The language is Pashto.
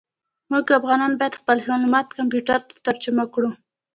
موږ انسانان باید خپل معلومات کمپیوټر ته ترجمه کړو.